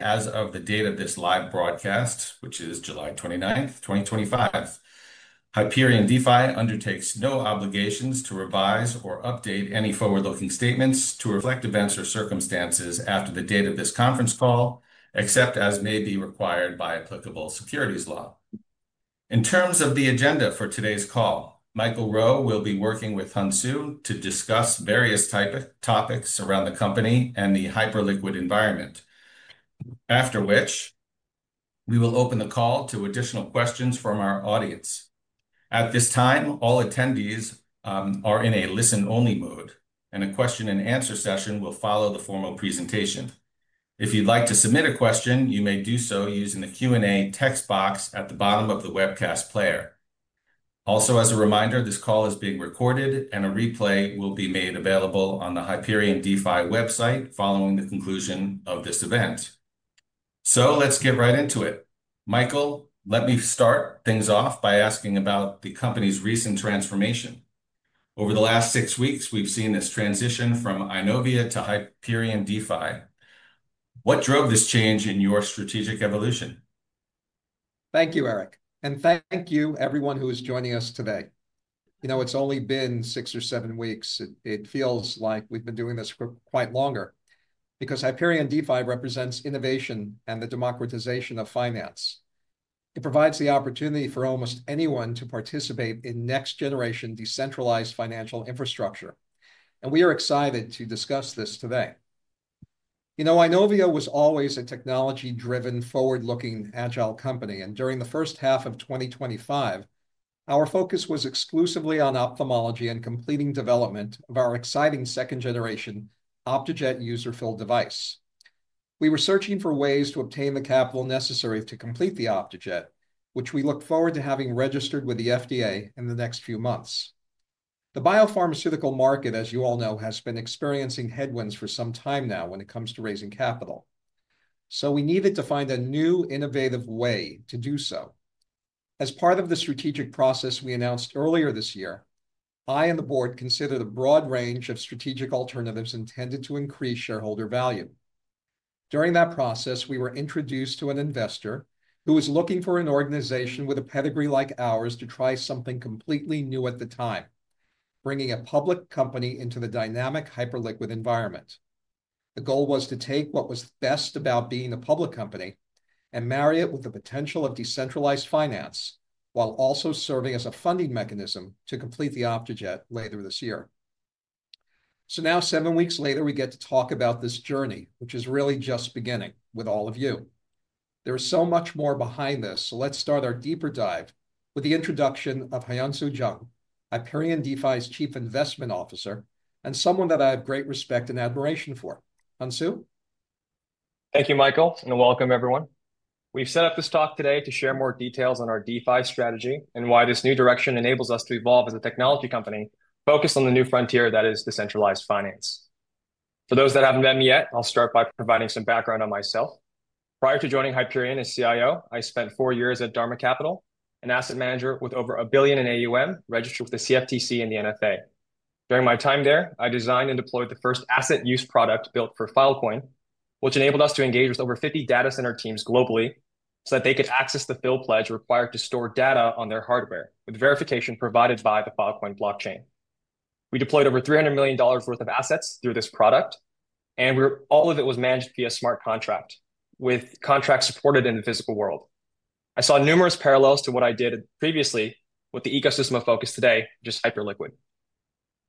As of the date of this live broadcast, which is July 29, 2025, Hyperion DeFi Inc. undertakes no obligations to revise or update any forward-looking statements to reflect events or circumstances after the date of this conference call, except as may be required by applicable securities law. In terms of the agenda for today's call, Michael Rowe will be working with Hyunsu Jung to discuss various topics around the company and the Hyperliquid ecosystem. After which, we will open the call to additional questions from our audience. At this time, all attendees are in a listen-only mode, and a question-and-answer session will follow the formal presentation. If you'd like to submit a question, you may do so using the Q&A text box at the bottom of the webcast player. Also, as a reminder, this call is being recorded, and a replay will be made available on the Hyperion DeFi Inc. website following the conclusion of this event. Let's get right into it. Michael, let me start things off by asking about the company's recent transformation. Over the last six weeks, we've seen this transition from Inovia to Hyperion DeFi Inc. What drove this change in your strategic evolution? Thank you, Eric, and thank you everyone who is joining us today. You know, it's only been six or seven weeks. It feels like we've been doing this for quite longer because Hyperion DeFi represents innovation and the democratization of finance. It provides the opportunity for almost anyone to participate in next-generation decentralized financial infrastructure, and we are excited to discuss this today. Inovia was always a technology-driven, forward-looking, agile company, and during the first half of 2025, our focus was exclusively on ophthalmology and completing development of our exciting second-generation Optejet User Filled Device. We were searching for ways to obtain the capital necessary to complete the Optejet, which we look forward to having registered with the FDA in the next few months. The biopharmaceutical market, as you all know, has been experiencing headwinds for some time now when it comes to raising capital. We needed to find a new, innovative way to do so. As part of the strategic process we announced earlier this year, I and the board considered a broad range of strategic alternatives intended to increase shareholder value. During that process, we were introduced to an investor who was looking for an organization with a pedigree like ours to try something completely new at the time, bringing a public company into the dynamic Hyperliquid environment. The goal was to take what was best about being a public company and marry it with the potential of decentralized finance, while also serving as a funding mechanism to complete the Optejet later this year. Now, seven weeks later, we get to talk about this journey, which is really just beginning with all of you. There is so much more behind this, so let's start our deeper dive with the introduction of Hyunsu Jung, Hyperion DeFi's Chief Investment Officer, and someone that I have great respect and admiration for. Hyunsu? Thank you, Michael, and welcome, everyone. We've set up this talk today to share more details on our DeFi strategy and why this new direction enables us to evolve as a technology company focused on the new frontier that is decentralized finance. For those that haven't met me yet, I'll start by providing some background on myself. Prior to joining Hyperion DeFi Inc. as CIO, I spent four years at Dharma Capital, an asset manager with over $1 billion in AUM registered with the CFTC and the NFA. During my time there, I designed and deployed the first asset use product built for Filecoin, which enabled us to engage with over 50 data center teams globally so that they could access the FIL pledge required to store data on their hardware with verification provided by the Filecoin blockchain. We deployed over $300 million worth of assets through this product, and all of it was managed via smart contract, with contracts supported in the physical world. I saw numerous parallels to what I did previously with the ecosystem of focus today, just Hyperliquid.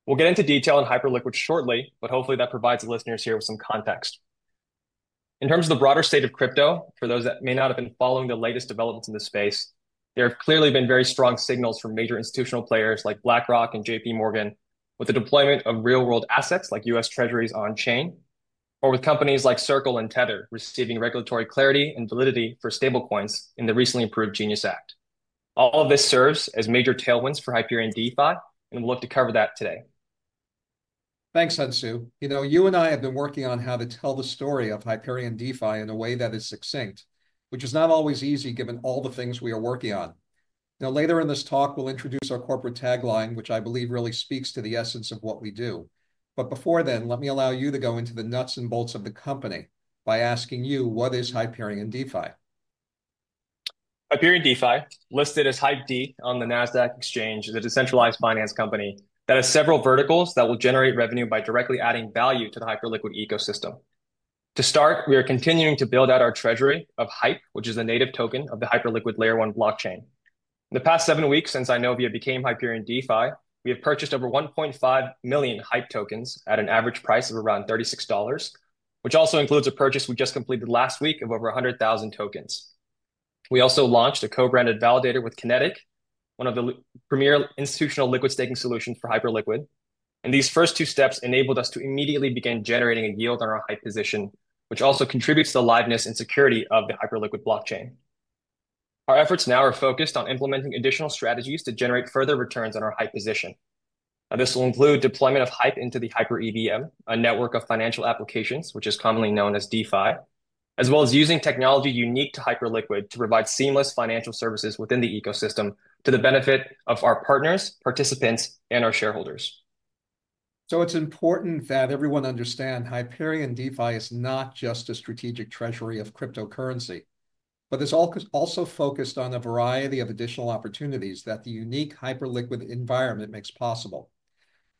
We'll get into detail on Hyperliquid shortly, but hopefully that provides the listeners here with some context. In terms of the broader state of crypto, for those that may not have been following the latest developments in the space, there have clearly been very strong signals from major institutional players like BlackRock and JPMorgan, with the deployment of real-world assets like U.S. Treasuries on-chain, or with companies like Circle and Tether receiving regulatory clarity and validity for stablecoins in the recently approved GENIUS Act. All of this serves as major tailwinds for Hyperion DeFi Inc., and we'll look to cover that today. Thanks, Hyunsu. You know, you and I have been working on how to tell the story of Hyperion DeFi in a way that is succinct, which is not always easy given all the things we are working on. Later in this talk, we'll introduce our corporate tagline, which I believe really speaks to the essence of what we do. Before then, let me allow you to go into the nuts and bolts of the company by asking you, what is Hyperion DeFi? Hyperion DeFi Inc., listed as HYPD on the NASDAQ exchange, is a decentralized finance company that has several verticals that will generate revenue by directly adding value to the Hyperliquid ecosystem. To start, we are continuing to build out our treasury of HYPE, which is the native token of the Hyperliquid Layer 1 blockchain. In the past seven weeks since Inovia became Hyperion DeFi Inc., we have purchased over 1.5 million HYPE tokens at an average price of around $36, which also includes a purchase we just completed last week of over 100,000 tokens. We also launched a co-branded validator with Kinetic, one of the premier institutional liquid staking solutions for Hyperliquid, and these first two steps enabled us to immediately begin generating a yield on our HYPE position, which also contributes to the liveness and security of the Hyperliquid blockchain. Our efforts now are focused on implementing additional strategies to generate further returns on our HYPE position. This will include deployment of HYPE into the HyperEVM, a network of financial applications, which is commonly known as DeFi, as well as using technology unique to Hyperliquid to provide seamless financial services within the ecosystem to the benefit of our partners, participants, and our shareholders. It is important that everyone understands Hyperion DeFi Inc. is not just a strategic treasury of cryptocurrency, but it is also focused on a variety of additional opportunities that the unique Hyperliquid environment makes possible.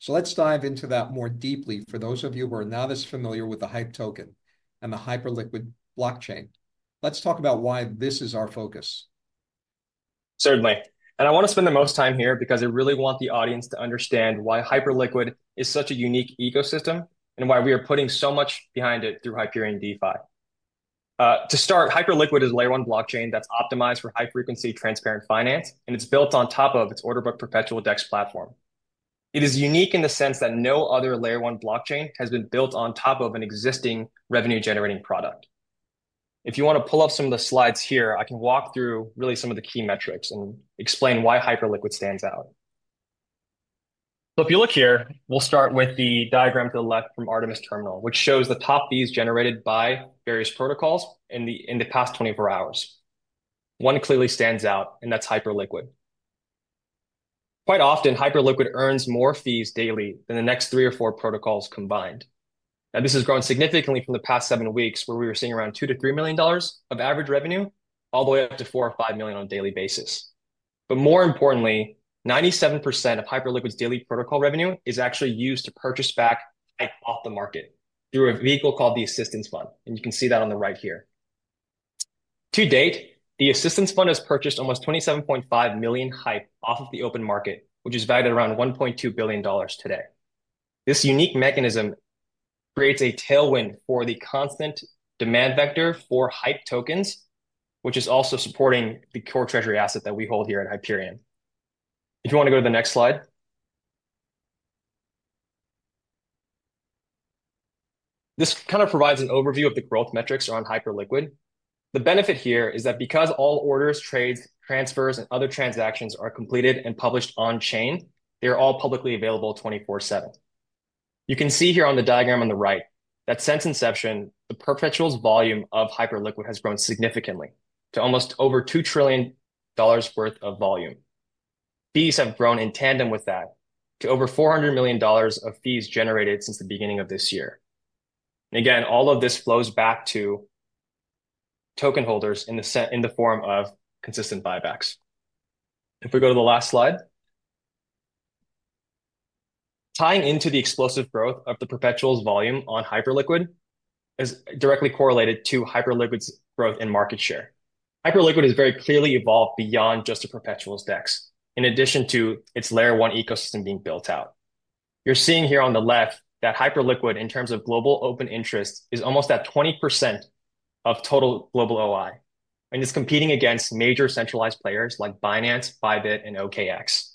Let's dive into that more deeply for those of you who are not as familiar with the HYPE token and the Hyperliquid blockchain. Let's talk about why this is our focus. Certainly. I want to spend the most time here because I really want the audience to understand why Hyperliquid is such a unique ecosystem and why we are putting so much behind it through Hyperion DeFi. To start, Hyperliquid is a Layer 1 blockchain that's optimized for high-frequency transparent finance, and it's built on top of its Orderbook Perpetual DEX platform. It is unique in the sense that no other Layer 1 blockchain has been built on top of an existing revenue-generating product. If you want to pull up some of the slides here, I can walk through really some of the key metrics and explain why Hyperliquid stands out. If you look here, we'll start with the diagram to the left from Artemis Terminal, which shows the top fees generated by various protocols in the past 24 hours. One clearly stands out, and that's Hyperliquid. Quite often, Hyperliquid earns more fees daily than the next three or four protocols combined. This has grown significantly from the past seven weeks, where we were seeing around $2 million-$3 million of average revenue, all the way up to $4 million or $5 million on a daily basis. More importantly, 97% of Hyperliquid's daily protocol revenue is actually used to purchase back HYPE off the market through a vehicle called the Assistance Fund, and you can see that on the right here. To date, the Assistance Fund has purchased almost 27.5 million HYPE off of the open market, which is valued at around $1.2 billion today. This unique mechanism creates a tailwind for the constant demand vector for HYPE tokens, which is also supporting the core treasury asset that we hold here at Hyperion. If you want to go to the next slide, this kind of provides an overview of the growth metrics around Hyperliquid. The benefit here is that because all orders, trades, transfers, and other transactions are completed and published on-chain, they are all publicly available 24/7. You can see here on the diagram on the right that since inception, the perpetual volume of Hyperliquid has grown significantly to almost over $2 trillion worth of volume. Fees have grown in tandem with that to over $400 million of fees generated since the beginning of this year. All of this flows back to token holders in the form of consistent buybacks. If we go to the last slide, tying into the explosive growth of the perpetuals volume on Hyperliquid is directly correlated to Hyperliquid's growth in market share. Hyperliquid has very clearly evolved beyond just the perpetuals DEX, in addition to its Layer 1 ecosystem being built out. You're seeing here on the left that Hyperliquid, in terms of global open interest, is almost at 20% of total global OI and is competing against major centralized players like Binance, Bybit, and OKX.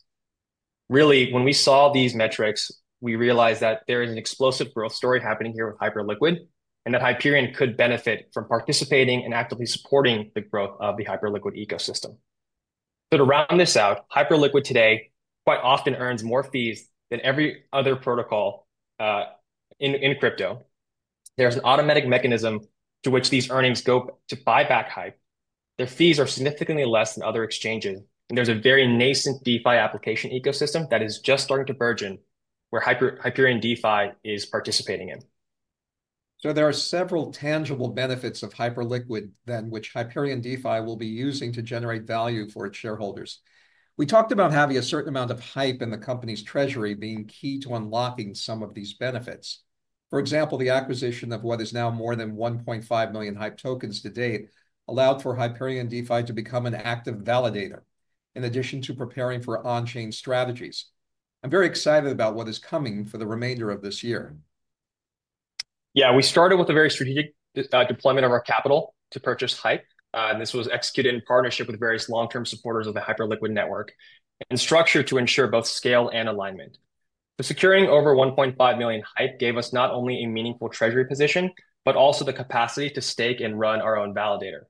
Really, when we saw these metrics, we realized that there is an explosive growth story happening here with Hyperliquid and that Hyperion DeFi Inc. could benefit from participating and actively supporting the growth of the Hyperliquid ecosystem. To round this out, Hyperliquid today quite often earns more fees than every other protocol in crypto. There's an automatic mechanism to which these earnings go to buy back HYPE tokens. Their fees are significantly less than other exchanges, and there's a very nascent decentralized finance (DeFi) application ecosystem that is just starting to burgeon where Hyperion DeFi Inc. is participating in. There are several tangible benefits of Hyperliquid then, which Hyperion DeFi will be using to generate value for its shareholders. We talked about having a certain amount of HYPE in the company's treasury being key to unlocking some of these benefits. For example, the acquisition of what is now more than 1.5 million HYPE tokens to date allowed for Hyperion DeFi to become an active validator, in addition to preparing for on-chain strategies. I'm very excited about what is coming for the remainder of this year. Yeah, we started with a very strategic deployment of our capital to purchase HYPE, and this was executed in partnership with various long-term supporters of the Hyperliquid network and structured to ensure both scale and alignment. Securing over $1.5 million HYPE gave us not only a meaningful treasury position, but also the capacity to stake and run our own validator.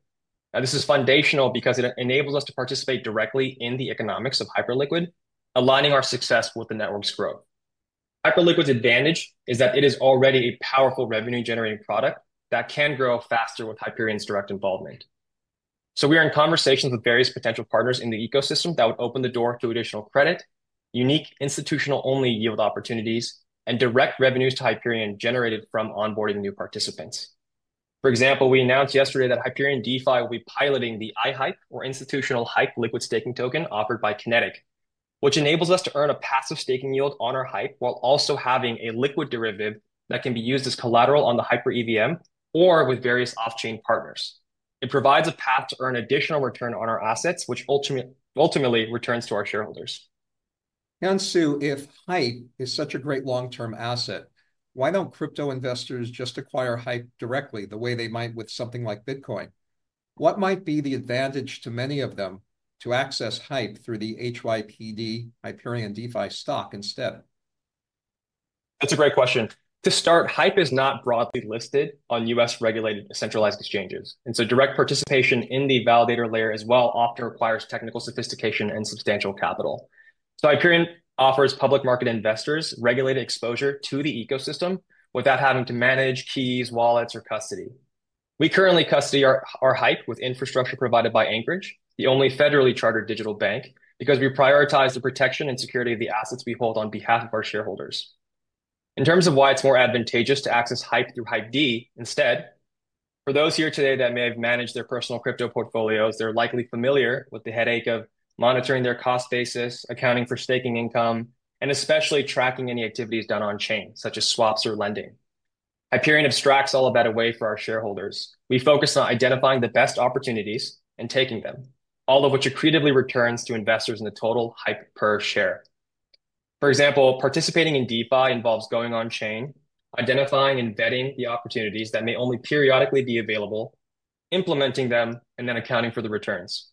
This is foundational because it enables us to participate directly in the economics of Hyperliquid, aligning our success with the network's growth. Hyperliquid's advantage is that it is already a powerful revenue-generating product that can grow faster with Hyperion DeFi Inc.'s direct involvement. We are in conversations with various potential partners in the ecosystem that would open the door to additional credit, unique institutional-only yield opportunities, and direct revenues to Hyperion DeFi Inc. generated from onboarding new participants. For example, we announced yesterday that Hyperion DeFi Inc. will be piloting the iHype, or institutional HYPE liquid staking token, offered by Kinetic, which enables us to earn a passive staking yield on our HYPE while also having a liquid derivative that can be used as collateral on the HyperEVM or with various off-chain partners. It provides a path to earn additional return on our assets, which ultimately returns to our shareholders. Hyunsu, if HYPE is such a great long-term asset, why don't crypto investors just acquire HYPE directly the way they might with something like Bitcoin? What might be the advantage to many of them to access HYPE through the HYPD, Hyperion DeFi stock instead? That's a great question. To start, HYPE is not broadly listed on U.S.-regulated centralized exchanges, and direct participation in the validator layer as well often requires technical sophistication and substantial capital. Hyperion offers public market investors regulated exposure to the ecosystem without having to manage keys, wallets, or custody. We currently custody our HYPE with infrastructure provided by Anchorage, the only federally chartered digital bank, because we prioritize the protection and security of the assets we hold on behalf of our shareholders. In terms of why it's more advantageous to access HYPE through HYPD instead, for those here today that may have managed their personal crypto portfolios, they're likely familiar with the headache of monitoring their cost basis, accounting for staking income, and especially tracking any activities done on-chain, such as swaps or lending. Hyperion abstracts all of that away for our shareholders. We focus on identifying the best opportunities and taking them, all of which accretively returns to investors in the total HYPE per share. For example, participating in decentralized finance involves going on-chain, identifying and vetting the opportunities that may only periodically be available, implementing them, and then accounting for the returns.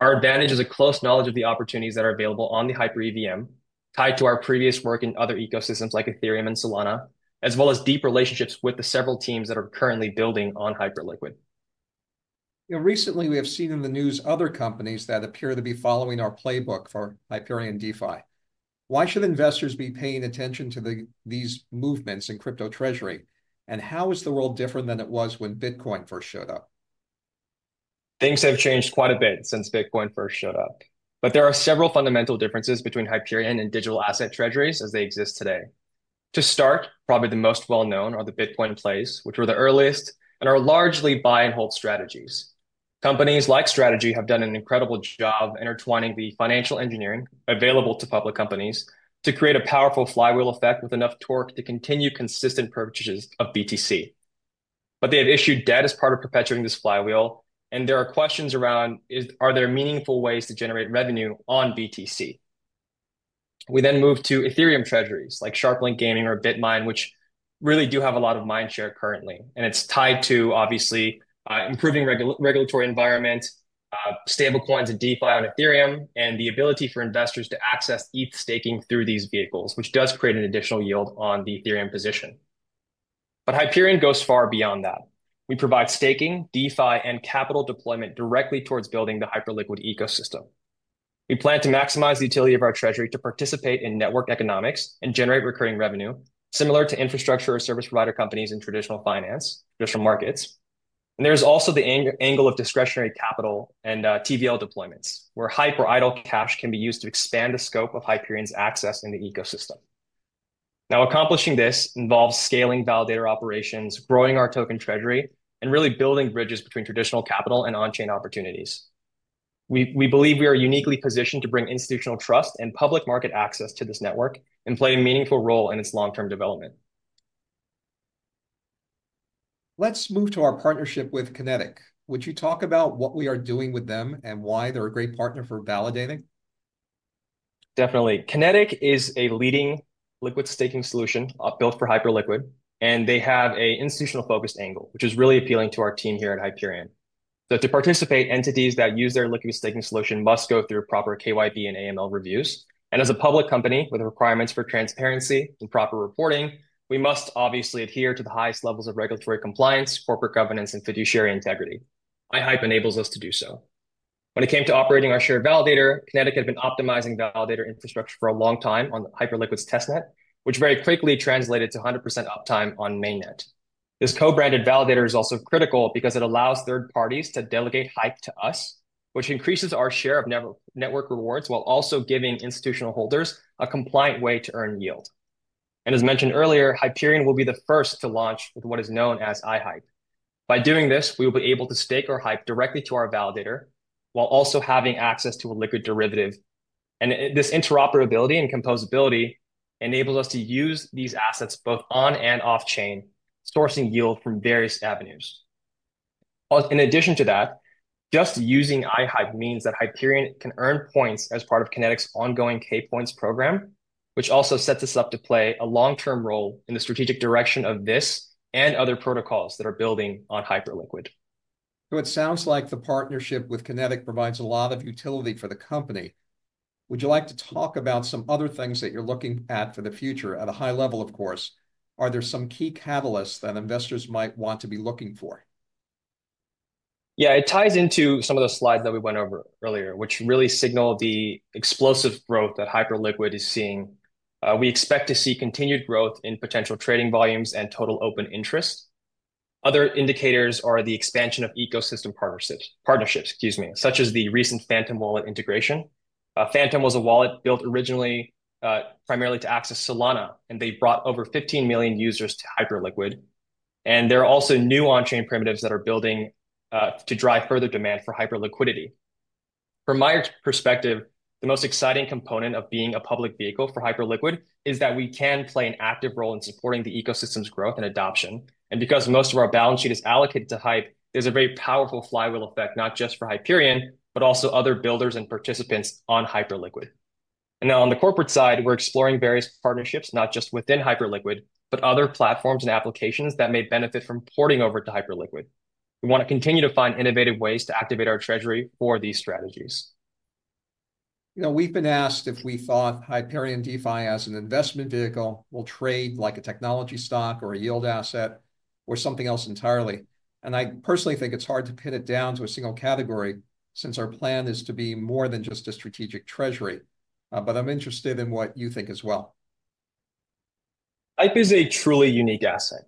Our advantage is a close knowledge of the opportunities that are available on the HyperEVM, tied to our previous work in other ecosystems like Ethereum and Solana, as well as deep relationships with the several teams that are currently building on Hyperliquid. Recently, we have seen in the news other companies that appear to be following our playbook for Hyperion DeFi Inc. Why should investors be paying attention to these movements in crypto treasury? How is the world different than it was when Bitcoin first showed up? Things have changed quite a bit since Bitcoin first showed up, but there are several fundamental differences between Hyperion DeFi Inc. and digital asset treasuries as they exist today. To start, probably the most well-known are the Bitcoin plays, which were the earliest and are largely buy-and-hold strategies. Companies like MicroStrategy have done an incredible job intertwining the financial engineering available to public companies to create a powerful flywheel effect with enough torque to continue consistent purchases of BTC. They have issued debt as part of perpetuating this flywheel, and there are questions around whether there are meaningful ways to generate revenue on BTC. We then move to Ethereum treasuries like Galaxy Digital or Bitmain, which really do have a lot of mindshare currently, and it's tied to obviously improving regulatory environment, stablecoins and decentralized finance (DeFi) on Ethereum, and the ability for investors to access ETH staking through these vehicles, which does create an additional yield on the Ethereum position. Hyperion DeFi Inc. goes far beyond that. We provide staking, DeFi, and capital deployment directly towards building the Hyperliquid ecosystem. We plan to maximize the utility of our treasury to participate in network economics and generate recurring revenue, similar to infrastructure or service provider companies in traditional finance, traditional markets. There is also the angle of discretionary capital and TVL deployments, where HYPE tokens or idle cash can be used to expand the scope of Hyperion DeFi Inc.'s access in the ecosystem. Accomplishing this involves scaling validator operations, growing our token treasury, and really building bridges between traditional capital and on-chain opportunities. We believe we are uniquely positioned to bring institutional trust and public market access to this network and play a meaningful role in its long-term development. Let's move to our partnership with Kinetic. Would you talk about what we are doing with them and why they're a great partner for validating? Definitely. Kinetic is a leading liquid staking solution built for Hyperliquid, and they have an institutional-focused angle, which is really appealing to our team here at Hyperion. To participate, entities that use their liquid staking solution must go through proper KYB and AML reviews. As a public company with requirements for transparency and proper reporting, we must obviously adhere to the highest levels of regulatory compliance, corporate governance, and fiduciary integrity. iHype enables us to do so. When it came to operating our shared validator, Kinetic had been optimizing validator infrastructure for a long time on Hyperliquid's testnet, which very quickly translated to 100% uptime on mainnet. This co-branded validator is also critical because it allows third parties to delegate HYPE to us, which increases our share of network rewards while also giving institutional holders a compliant way to earn yield. As mentioned earlier, Hyperion will be the first to launch with what is known as iHype. By doing this, we will be able to stake our HYPE directly to our validator while also having access to a liquid derivative. This interoperability and composability enables us to use these assets both on and off-chain, sourcing yield from various avenues. In addition to that, just using iHype means that Hyperion can earn points as part of Kinetic's ongoing K-Points program, which also sets us up to play a long-term role in the strategic direction of this and other protocols that are building on Hyperliquid. It sounds like the partnership with Kinetic provides a lot of utility for the company. Would you like to talk about some other things that you're looking at for the future at a high level, of course? Are there some key catalysts that investors might want to be looking for? Yeah, it ties into some of the slides that we went over earlier, which really signal the explosive growth that Hyperliquid is seeing. We expect to see continued growth in potential trading volumes and total open interest. Other indicators are the expansion of ecosystem partnerships, such as the recent Phantom wallet integration. Phantom was a wallet built originally primarily to access Solana, and they brought over 15 million users to Hyperliquid. There are also new on-chain primitives that are building to drive further demand for Hyperliquidity. From my perspective, the most exciting component of being a public vehicle for Hyperliquid is that we can play an active role in supporting the ecosystem's growth and adoption. Because most of our balance sheet is allocated to HYPE, there's a very powerful flywheel effect, not just for Hyperion DeFi Inc., but also other builders and participants on Hyperliquid. Now on the corporate side, we're exploring various partnerships, not just within Hyperliquid, but other platforms and applications that may benefit from porting over to Hyperliquid. We want to continue to find innovative ways to activate our treasury for these strategies. You know, we've been asked if we thought Hyperion DeFi Inc. as an investment vehicle will trade like a technology stock or a yield asset or something else entirely. I personally think it's hard to pin it down to a single category since our plan is to be more than just a strategic treasury. I'm interested in what you think as well. HYPE is a truly unique asset,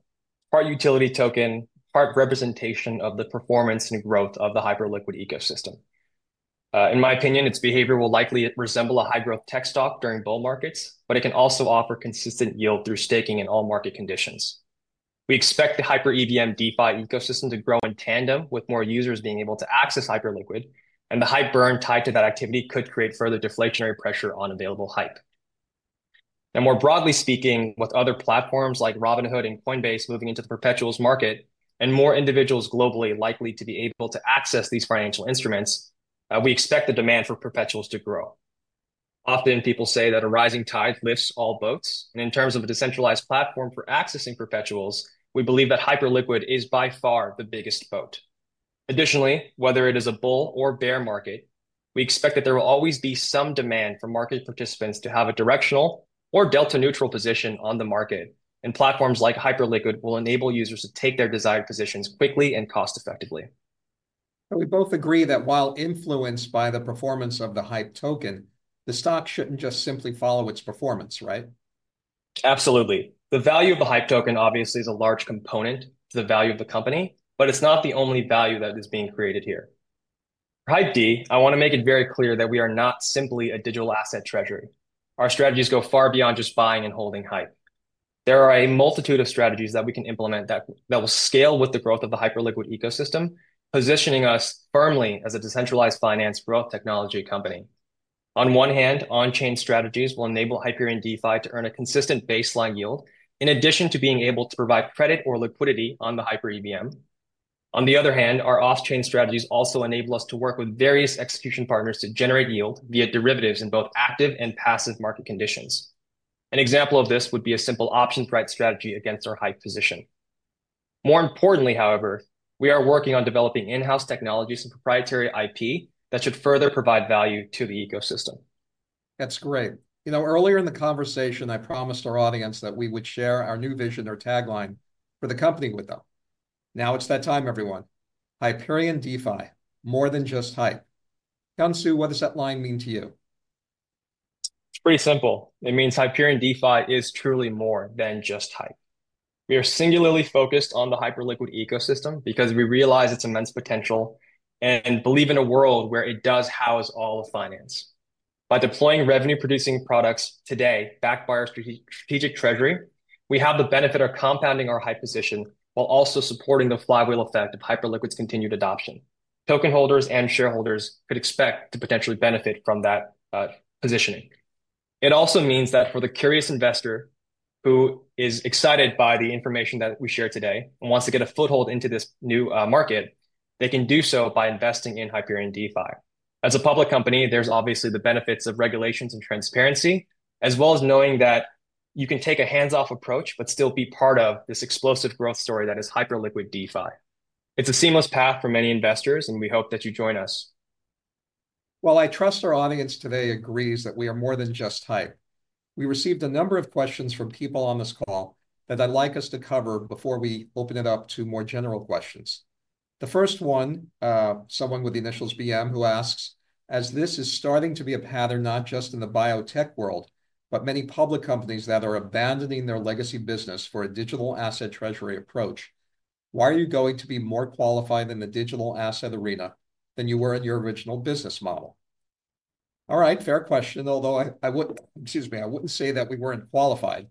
part utility token, part representation of the performance and growth of the Hyperliquid ecosystem. In my opinion, its behavior will likely resemble a high-growth tech stock during bull markets, but it can also offer consistent yield through staking in all market conditions. We expect the HyperEVM DeFi ecosystem to grow in tandem with more users being able to access Hyperliquid, and the HYPE burn tied to that activity could create further deflationary pressure on available HYPE. More broadly speaking, with other platforms like Robinhood and Coinbase moving into the perpetuals market and more individuals globally likely to be able to access these financial instruments, we expect the demand for perpetuals to grow. People often say that a rising tide lifts all boats. In terms of a decentralized platform for accessing perpetuals, we believe that Hyperliquid is by far the biggest boat. Additionally, whether it is a bull or bear market, we expect that there will always be some demand for market participants to have a directional or delta-neutral position on the market, and platforms like Hyperliquid will enable users to take their desired positions quickly and cost-effectively. We both agree that while influenced by the performance of the HYPE token, the stock shouldn't just simply follow its performance, right? Absolutely. The value of the HYPE token obviously is a large component to the value of the company, but it's not the only value that is being created here. For HYPD, I want to make it very clear that we are not simply a digital asset treasury. Our strategies go far beyond just buying and holding HYPE. There are a multitude of strategies that we can implement that will scale with the growth of the Hyperliquid ecosystem, positioning us firmly as a decentralized finance growth technology company. On one hand, on-chain strategies will enable Hyperion DeFi to earn a consistent baseline yield, in addition to being able to provide credit or liquidity on the HyperEVM. On the other hand, our off-chain strategies also enable us to work with various execution partners to generate yield via derivatives in both active and passive market conditions. An example of this would be a simple option price strategy against our HYPE position. More importantly, however, we are working on developing in-house technologies and proprietary IP that should further provide value to the ecosystem. That's great. Earlier in the conversation, I promised our audience that we would share our new vision or tagline for the company with them. Now it's that time, everyone. Hyperion DeFi, more than just HYPE. Hyunsu, what does that line mean to you? Pretty simple. It means Hyperion DeFi Inc. is truly more than just HYPE. We are singularly focused on the Hyperliquid ecosystem because we realize its immense potential and believe in a world where it does house all of finance. By deploying revenue-producing products today backed by our strategic treasury, we have the benefit of compounding our HYPE position while also supporting the flywheel effect of Hyperliquid's continued adoption. Token holders and shareholders could expect to potentially benefit from that positioning. It also means that for the curious investor who is excited by the information that we shared today and wants to get a foothold into this new market, they can do so by investing in Hyperion DeFi Inc. As a public company, there's obviously the benefits of regulations and transparency, as well as knowing that you can take a hands-off approach but still be part of this explosive growth story that is Hyperliquid DeFi. It's a seamless path for many investors, and we hope that you join us. I trust our audience today agrees that we are more than just HYPE. We received a number of questions from people on this call that I'd like us to cover before we open it up to more general questions. The first one, someone with the initials BM, asks, as this is starting to be a pattern not just in the biotech world, but many public companies that are abandoning their legacy business for a digital asset treasury approach, why are you going to be more qualified in the digital asset arena than you were in your original business model? Fair question, although I wouldn't say that we weren't qualified.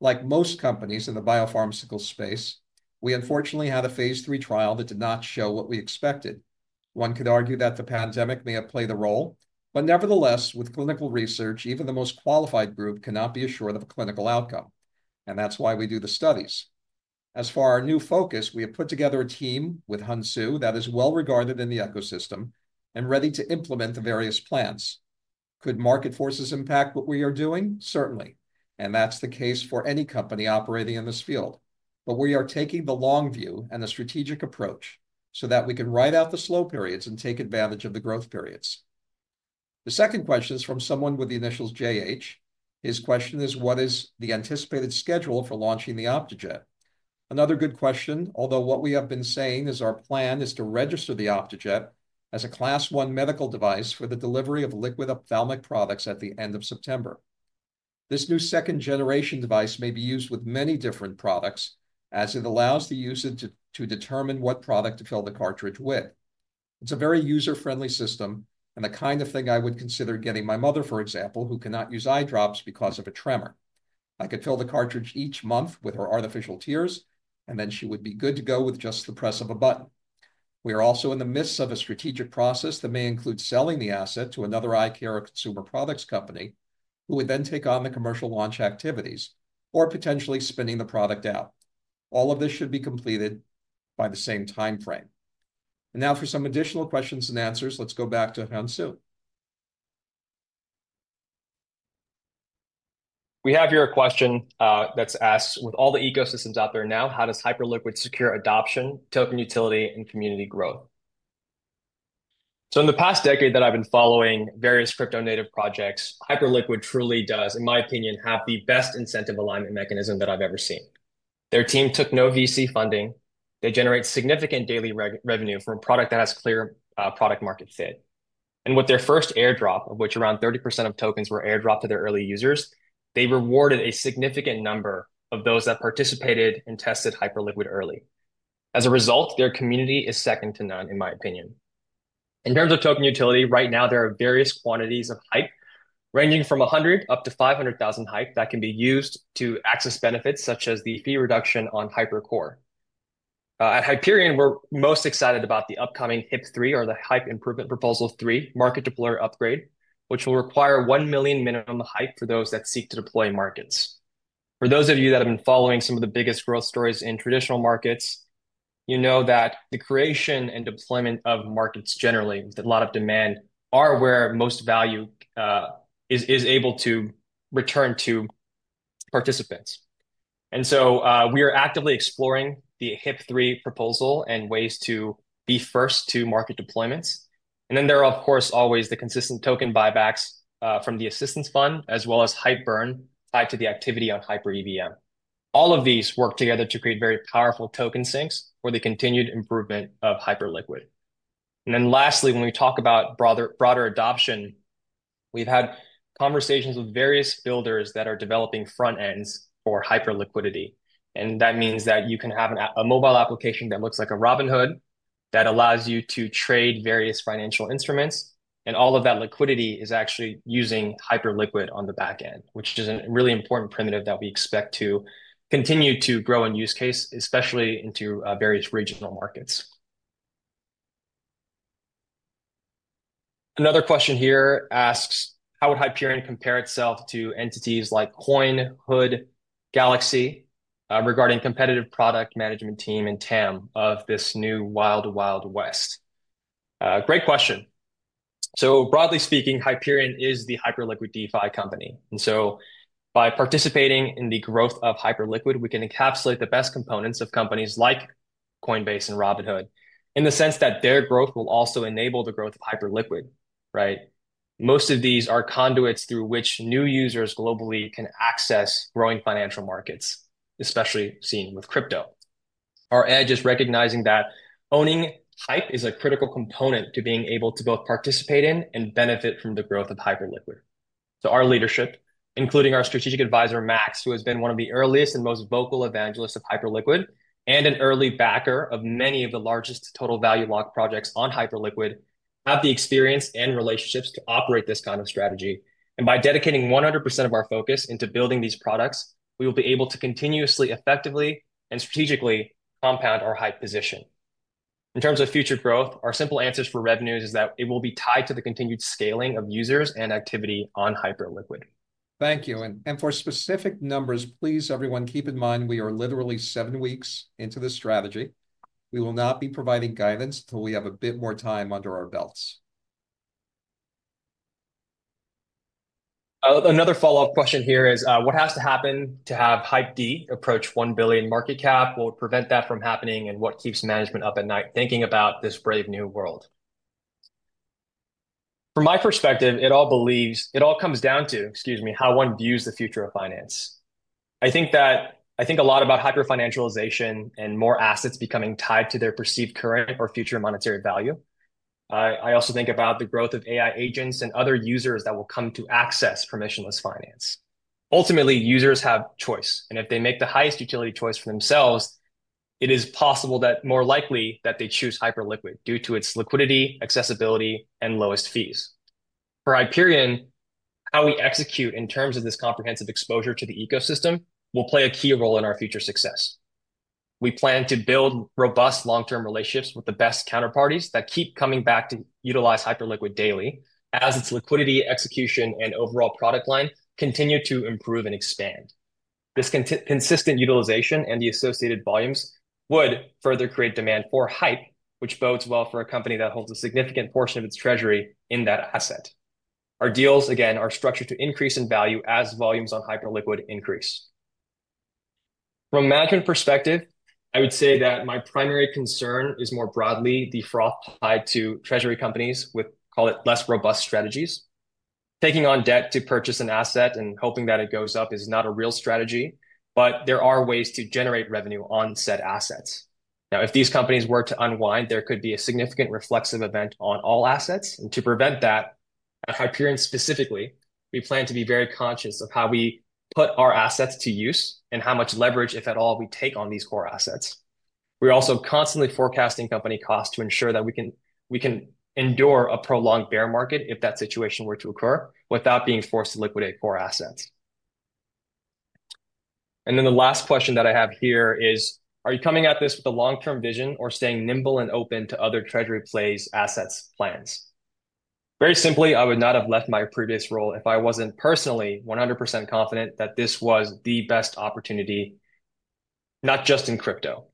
Like most companies in the biopharmaceutical space, we unfortunately had a phase three trial that did not show what we expected. One could argue that the pandemic may have played a role, but nevertheless, with clinical research, even the most qualified group cannot be assured of a clinical outcome. That's why we do the studies. As for our new focus, we have put together a team with Hyunsu that is well regarded in the ecosystem and ready to implement the various plans. Could market forces impact what we are doing? Certainly. That's the case for any company operating in this field. We are taking the long view and a strategic approach so that we can ride out the slow periods and take advantage of the growth periods. The second question is from someone with the initials JH. His question is, what is the anticipated schedule for launching the Optejet User Filled Device? Another good question, although what we have been saying is our plan is to register the Optejet User Filled Device as a class one medical device for the delivery of liquid ophthalmic products at the end of September. This new second-generation device may be used with many different products, as it allows the user to determine what product to fill the cartridge with. It's a very user-friendly system, and the kind of thing I would consider getting my mother, for example, who cannot use eye drops because of a tremor. I could fill the cartridge each month with her artificial tears, and then she would be good to go with just the press of a button. We are also in the midst of a strategic process that may include selling the asset to another eye care or consumer products company who would then take on the commercial launch activities or potentially spinning the product out. All of this should be completed by the same timeframe. For some additional questions and answers, let's go back to Hyunsu. We have here a question that's asked, with all the ecosystems out there now, how does Hyperliquid secure adoption, token utility, and community growth? In the past decade that I've been following various crypto-native projects, Hyperliquid truly does, in my opinion, have the best incentive alignment mechanism that I've ever seen. Their team took no VC funding. They generate significant daily revenue from a product that has clear product-market fit. With their first airdrop, of which around 30% of tokens were airdropped to their early users, they rewarded a significant number of those that participated and tested Hyperliquid early. As a result, their community is second to none, in my opinion. In terms of token utility, right now there are various quantities of HYPE, ranging from 100 up to 500,000 HYPE that can be used to access benefits such as the fee reduction on HyperCore. At Hyperion, we're most excited about the upcoming HIP-3, or the HYPE Improvement Proposal 3 market deployer upgrade, which will require 1 million minimum HYPE for those that seek to deploy markets. For those of you that have been following some of the biggest growth stories in traditional markets, you know that the creation and deployment of markets generally with a lot of demand are where most value is able to return to participants. We are actively exploring the HIP-3 proposal and ways to be first to market deployments. There are, of course, always the consistent token buybacks from the Assistance Fund, as well as HYPE burn tied to the activity on HyperEVM. All of these work together to create very powerful token sinks for the continued improvement of Hyperliquid. Lastly, when we talk about broader adoption, we've had conversations with various builders that are developing front ends for Hyperliquidity. That means that you can have a mobile application that looks like a Robinhood that allows you to trade various financial instruments, and all of that liquidity is actually using Hyperliquid on the back end, which is a really important primitive that we expect to continue to grow in use case, especially into various regional markets. Another question here asks, how would Hyperion compare itself to entities like Coinbase, Galaxy regarding competitive product management team and TAM of this new Wild Wild West? Great question. Broadly speaking, Hyperion is the Hyperliquid DeFi company. By participating in the growth of Hyperliquid, we can encapsulate the best components of companies like Coinbase and Robinhood in the sense that their growth will also enable the growth of Hyperliquid, right? Most of these are conduits through which new users globally can access growing financial markets, especially seen with crypto. Our edge is recognizing that owning HYPE is a critical component to being able to both participate in and benefit from the growth of Hyperliquid. Our leadership, including our Strategic Advisor Max, who has been one of the earliest and most vocal evangelists of Hyperliquid and an early backer of many of the largest total value locked projects on Hyperliquid, have the experience and relationships to operate this kind of strategy. By dedicating 100% of our focus into building these products, we will be able to continuously, effectively, and strategically compound our HYPE position. In terms of future growth, our simple answer for revenues is that it will be tied to the continued scaling of users and activity on Hyperliquid. Thank you. For specific numbers, please, everyone keep in mind we are literally seven weeks into the strategy. We will not be providing guidance until we have a bit more time under our belts. Another follow-up question here is, what has to happen to have HYPD approach $1 billion market cap? What would prevent that from happening? What keeps management up at night thinking about this brave new world? From my perspective, it all comes down to how one views the future of finance. I think a lot about hyper-financialization and more assets becoming tied to their perceived current or future monetary value. I also think about the growth of AI agents and other users that will come to access permissionless finance. Ultimately, users have choice, and if they make the highest utility choice for themselves, it is possible, more likely, that they choose Hyperliquid due to its liquidity, accessibility, and lowest fees. For Hyperion, how we execute in terms of this comprehensive exposure to the ecosystem will play a key role in our future success. We plan to build robust long-term relationships with the best counterparties that keep coming back to utilize Hyperliquid daily as its liquidity, execution, and overall product line continue to improve and expand. This consistent utilization and the associated volumes would further create demand for HYPE, which bodes well for a company that holds a significant portion of its treasury in that asset. Our deals, again, are structured to increase in value as volumes on Hyperliquid increase. From a management perspective, I would say that my primary concern is more broadly the fraud tied to treasury companies with, call it, less robust strategies. Taking on debt to purchase an asset and hoping that it goes up is not a real strategy, but there are ways to generate revenue on said assets. If these companies were to unwind, there could be a significant reflexive event on all assets. To prevent that, at Hyperion specifically, we plan to be very conscious of how we put our assets to use and how much leverage, if at all, we take on these core assets. We're also constantly forecasting company costs to ensure that we can endure a prolonged bear market if that situation were to occur without being forced to liquidate core assets. The last question that I have here is, are you coming at this with a long-term vision or staying nimble and open to other treasury plays, assets, plans? Very simply, I would not have left my previous role if I wasn't personally 100% confident that this was the best opportunity, not just in crypto.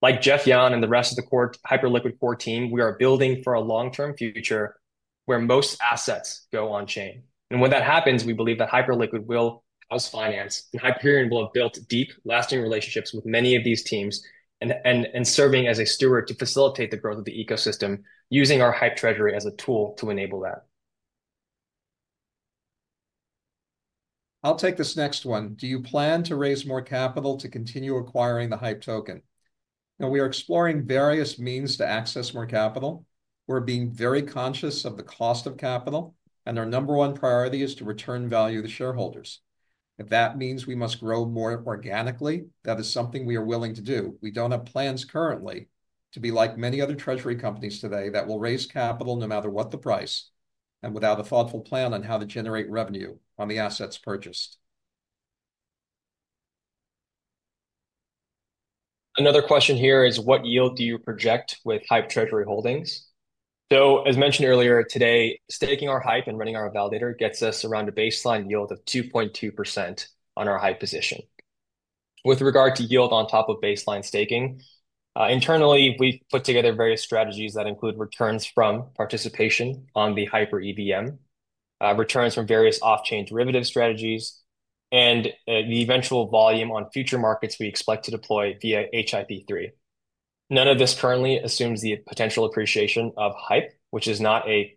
Like Jeff Yahn and the rest of the Hyperliquid core team, we are building for a long-term future where most assets go on chain. When that happens, we believe that Hyperliquid will cause finance, and Hyperion will have built deep, lasting relationships with many of these teams and serving as a steward to facilitate the growth of the ecosystem, using our HYPE treasury as a tool to enable that. I'll take this next one. Do you plan to raise more capital to continue acquiring the HYPE token? Now, we are exploring various means to access more capital. We're being very conscious of the cost of capital, and our number one priority is to return value to shareholders. If that means we must grow more organically, that is something we are willing to do. We don't have plans currently to be like many other treasury companies today that will raise capital no matter what the price and without a thoughtful plan on how to generate revenue on the assets purchased. Another question here is, what yield do you project with HYPE treasury holdings? As mentioned earlier, today, staking our HYPE and running our validator gets us around a baseline yield of 2.2% on our HYPE position. With regard to yield on top of baseline staking, internally, we've put together various strategies that include returns from participation on the HyperEVM, returns from various off-chain derivative strategies, and the eventual volume on future markets we expect to deploy via HIP-3. None of this currently assumes the potential appreciation of HYPE, which is not a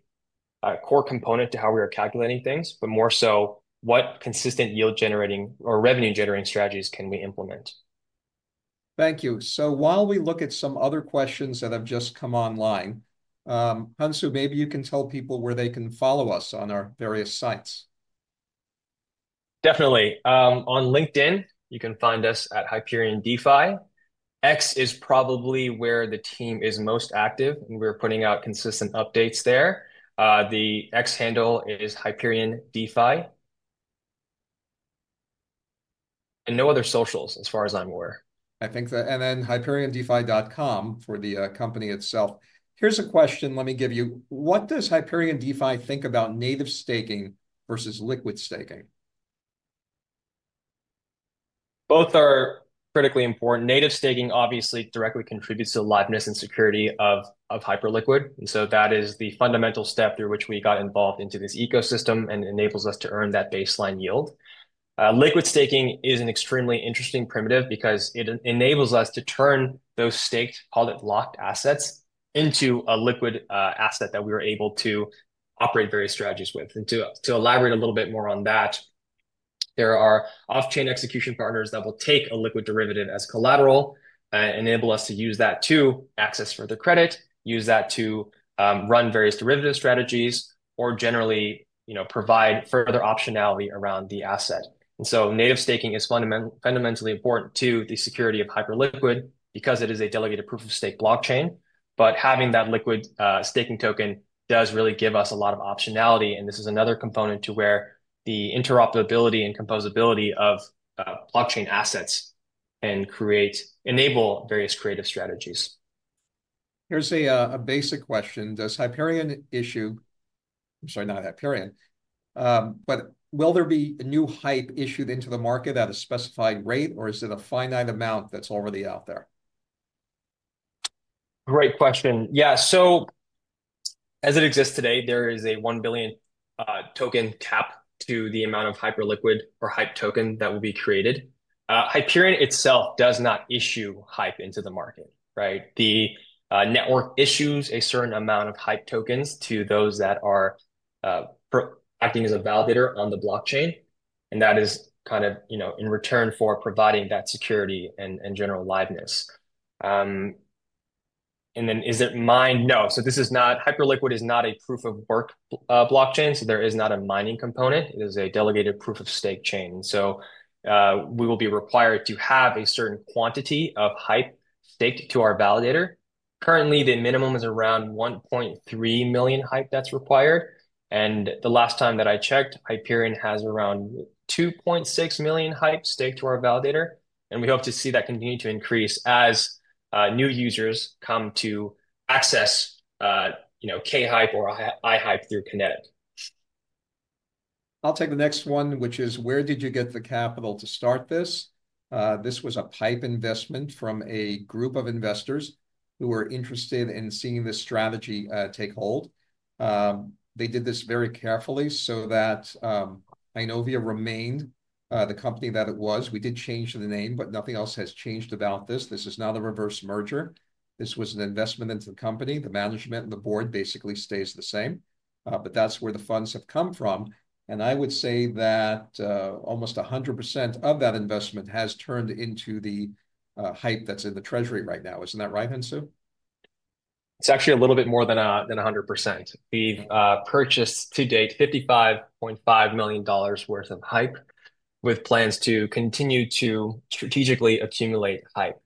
core component to how we are calculating things, but more so what consistent yield-generating or revenue-generating strategies can we implement. Thank you. While we look at some other questions that have just come online, Hyunsu, maybe you can tell people where they can follow us on our various sites. Definitely. On LinkedIn, you can find us at Hyperion DeFi Inc. X is probably where the team is most active, and we're putting out consistent updates there. The X handle is Hyperion DeFi Inc. No other socials, as far as I'm aware. I think so. hyperiondefi.com for the company itself. Here's a question. Let me give you: What does Hyperion DeFi think about native staking versus liquid staking? Both are critically important. Native staking obviously directly contributes to the liveness and security of Hyperliquid. That is the fundamental step through which we got involved into this ecosystem and enables us to earn that baseline yield. Liquid staking is an extremely interesting primitive because it enables us to turn those staked, call it locked assets, into a liquid asset that we are able to operate various strategies with. To elaborate a little bit more on that, there are off-chain execution partners that will take a liquid derivative as collateral and enable us to use that to access further credit, use that to run various derivative strategies, or generally provide further optionality around the asset. Native staking is fundamentally important to the security of Hyperliquid because it is a delegated proof-of-stake blockchain. Having that liquid staking token does really give us a lot of optionality, and this is another component to where the interoperability and composability of blockchain assets can create, enable various creative strategies. Here's a basic question. Does Hyperion DeFi Inc. issue, I'm sorry, not Hyperion DeFi Inc., but will there be a new HYPE token issued into the market at a specified rate, or is it a finite amount that's already out there? Great question. Yeah, as it exists today, there is a 1 billion token cap to the amount of Hyperliquid or HYPE token that will be created. Hyperion itself does not issue HYPE into the market, right? The network issues a certain amount of HYPE tokens to those that are acting as a validator on the blockchain, and that is, you know, in return for providing that security and general liveness. Is it mined? No, this is not, Hyperliquid is not a proof-of-work blockchain, so there is not a mining component. It is a delegated proof-of-stake chain. We will be required to have a certain quantity of HYPE staked to our validator. Currently, the minimum is around 1.3 million HYPE that's required, and the last time that I checked, Hyperion has around 2.6 million HYPE staked to our validator, and we hope to see that continue to increase as new users come to access, you know, kHYPE or iHype through Kinetic. I'll take the next one, which is, where did you get the capital to start this? This was a PIPE investment from a group of investors who were interested in seeing this strategy take hold. They did this very carefully so that Inovia remained the company that it was. We did change the name, but nothing else has changed about this. This is not a reverse merger. This was an investment into the company. The management and the board basically stayed the same, that's where the funds have come from. I would say that almost 100% of that investment has turned into the HYPE that's in the treasury right now. Isn't that right, Hyunsu? It's actually a little bit more than 100%. We've purchased to date $55.5 million worth of HYPE, with plans to continue to strategically accumulate HYPE.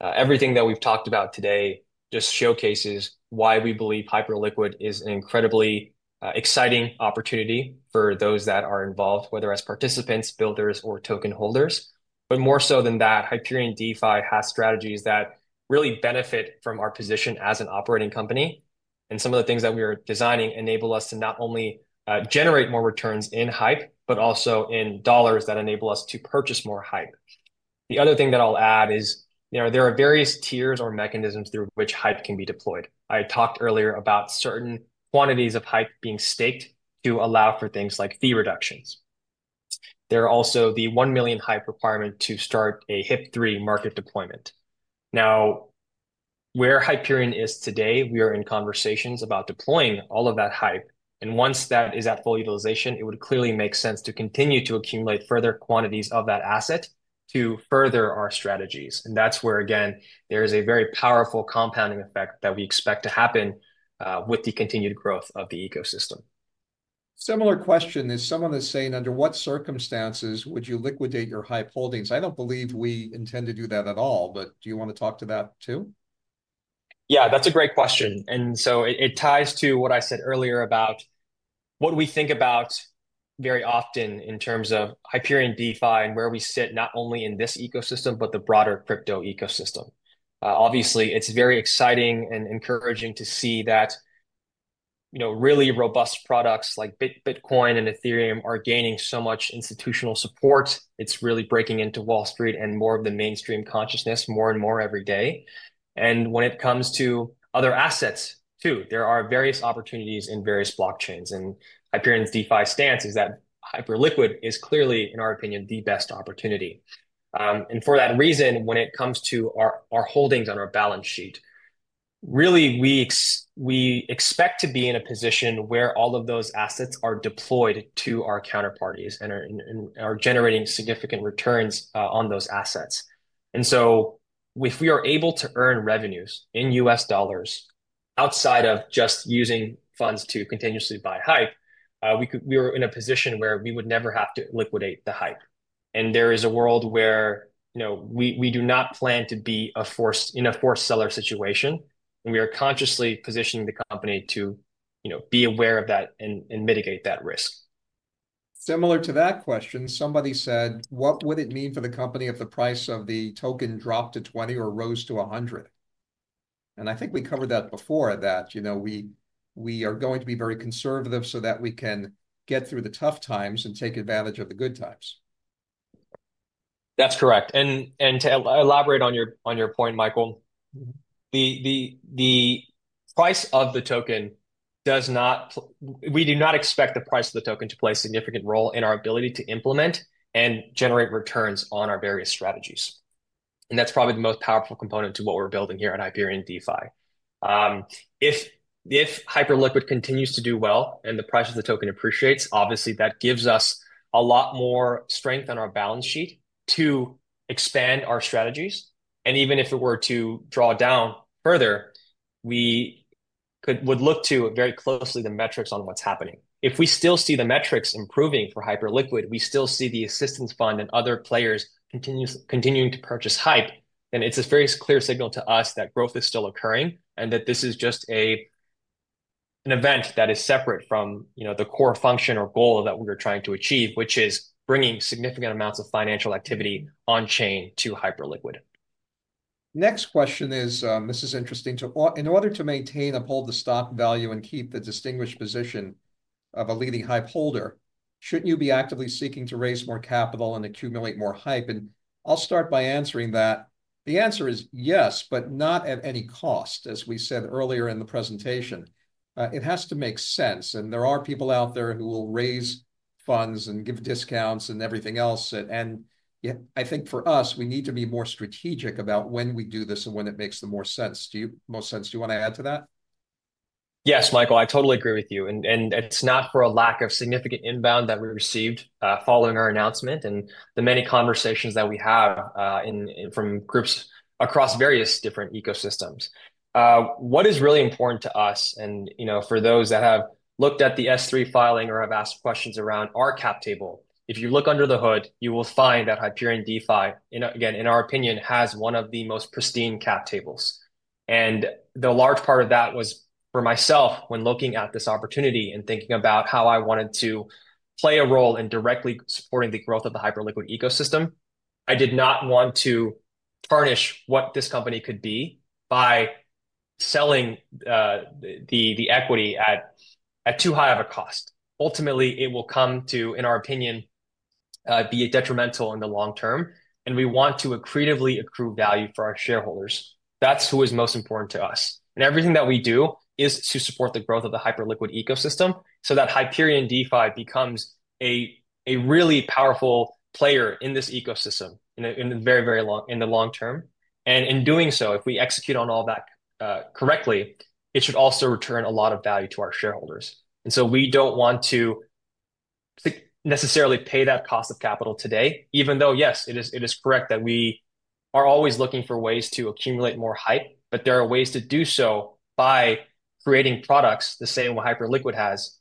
Everything that we've talked about today just showcases why we believe Hyperliquid is an incredibly exciting opportunity for those that are involved, whether as participants, builders, or token holders. More so than that, Hyperion DeFi has strategies that really benefit from our position as an operating company, and some of the things that we are designing enable us to not only generate more returns in HYPE, but also in dollars that enable us to purchase more HYPE. The other thing that I'll add is there are various tiers or mechanisms through which HYPE can be deployed. I talked earlier about certain quantities of HYPE being staked to allow for things like fee reductions. There are also the 1 million HYPE requirements to start a HIP-3 market deployment. Where Hyperion is today, we are in conversations about deploying all of that HYPE, and once that is at full utilization, it would clearly make sense to continue to accumulate further quantities of that asset to further our strategies. That's where, again, there is a very powerful compounding effect that we expect to happen with the continued growth of the ecosystem. Similar question is someone is saying, under what circumstances would you liquidate your HYPE holdings? I don't believe we intend to do that at all, but do you want to talk to that too? Yeah, that's a great question. It ties to what I said earlier about what we think about very often in terms of Hyperion DeFi Inc. and where we sit, not only in this ecosystem, but the broader crypto ecosystem. Obviously, it's very exciting and encouraging to see that really robust products like Bitcoin and Ethereum are gaining so much institutional support. It's really breaking into Wall Street and more of the mainstream consciousness more and more every day. When it comes to other assets too, there are various opportunities in various blockchains, and Hyperion DeFi Inc.'s stance is that Hyperliquid is clearly, in our opinion, the best opportunity. For that reason, when it comes to our holdings on our balance sheet, really, we expect to be in a position where all of those assets are deployed to our counterparties and are generating significant returns on those assets. If we are able to earn revenues in U.S. dollars outside of just using funds to continuously buy HYPE tokens, we are in a position where we would never have to liquidate the HYPE tokens. There is a world where we do not plan to be in a forced seller situation, and we are consciously positioning the company to be aware of that and mitigate that risk. Similar to that question, somebody said, what would it mean for the company if the price of the token dropped to $20 or rose to $100? I think we covered that before, that we are going to be very conservative so that we can get through the tough times and take advantage of the good times. That's correct. To elaborate on your point, Michael, the price of the token does not, we do not expect the price of the token to play a significant role in our ability to implement and generate returns on our various strategies. That's probably the most powerful component to what we're building here at Hyperion DeFi Inc. If Hyperliquid continues to do well and the price of the token appreciates, obviously that gives us a lot more strength on our balance sheet to expand our strategies. Even if it were to draw down further, we could look very closely at the metrics on what's happening. If we still see the metrics improving for Hyperliquid, we still see the Assistance Fund and other players continuing to purchase HYPE tokens, then it's a very clear signal to us that growth is still occurring and that this is just an event that is separate from the core function or goal that we are trying to achieve, which is bringing significant amounts of financial activity on chain to Hyperliquid. Next question is, this is interesting. In order to maintain and uphold the stock value and keep the distinguished position of a leading HYPE holder, shouldn't you be actively seeking to raise more capital and accumulate more HYPE? I'll start by answering that. The answer is yes, but not at any cost, as we said earlier in the presentation. It has to make sense, there are people out there who will raise funds and give discounts and everything else. I think for us, we need to be more strategic about when we do this and when it makes the most sense. Do you want to add to that? Yes, Michael, I totally agree with you. It's not for a lack of significant inbound that we received following our announcement and the many conversations that we have from groups across various different ecosystems. What is really important to us, and for those that have looked at the S-3 filing or have asked questions around our cap table, if you look under the hood, you will find that Hyperion DeFi Inc., again, in our opinion, has one of the most pristine cap tables. The large part of that was for myself when looking at this opportunity and thinking about how I wanted to play a role in directly supporting the growth of the Hyperliquid ecosystem. I did not want to tarnish what this company could be by selling the equity at too high of a cost. Ultimately, it will come to, in our opinion, be detrimental in the long term. We want to accretively accrue value for our shareholders. That's what is most important to us. Everything that we do is to support the growth of the Hyperliquid ecosystem so that Hyperion DeFi Inc. becomes a really powerful player in this ecosystem in the very, very long term. In doing so, if we execute on all that correctly, it should also return a lot of value to our shareholders. We don't want to necessarily pay that cost of capital today, even though, yes, it is correct that we are always looking for ways to accumulate more HYPE, but there are ways to do so by creating products the same way Hyperliquid has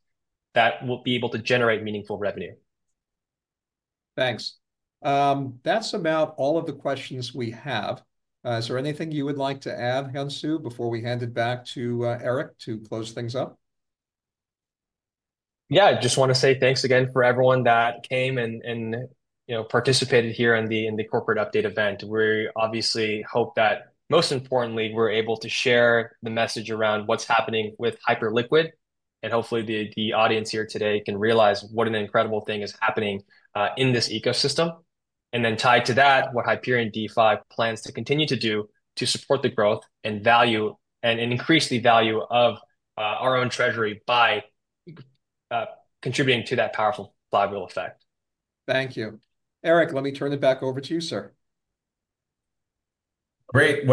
that will be able to generate meaningful revenue. Thanks. That's about all of the questions we have. Is there anything you would like to add, Hyunsu, before we hand it back to Eric to close things up? Yeah, I just want to say thanks again for everyone that came and participated here in the corporate update event. We obviously hope that, most importantly, we're able to share the message around what's happening with Hyperliquid, and hopefully the audience here today can realize what an incredible thing is happening in this ecosystem. Tied to that, what Hyperion DeFi plans to continue to do is support the growth and value and increase the value of our own treasury by contributing to that powerful flywheel effect. Thank you. Eric, let me turn it back over to you, sir. Great.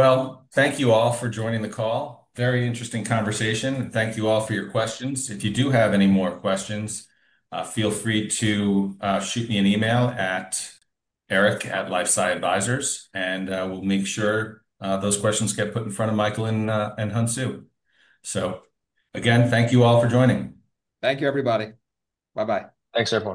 Thank you all for joining the call. Very interesting conversation. Thank you all for your questions. If you do have any more questions, feel free to shoot me an email at Eric at Lifeside Advisors, and we'll make sure those questions get put in front of Michael and Hyunsu. Thank you all for joining. Thank you, everybody. Bye-bye. Thanks, everyone.